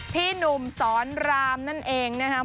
พี่หนุ่มสอนรามนั่นเองนะครับ